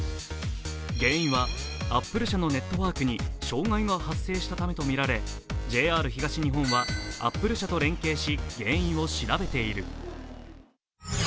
原因はアップル社のネットワークに障害が発生したものとみられＪＲ東日本はアップル社と連携し、原因を調べている。